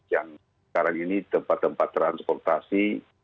yang sekarang ini tempat tempat transportasi